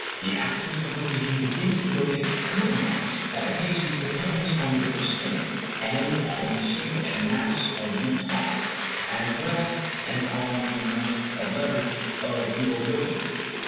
The axis of rotation begins to rotate cone wise, at a pace which depends on the rate of spin, and on the shape and mass of the top, as well as on the amount and leverage of the overloading.